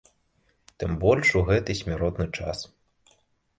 Тым больш у гэты смяротны час.